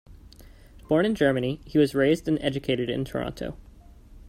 Born in Germany, he was raised and educated in Toronto.